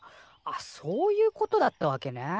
あっそうゆうことだったわけね。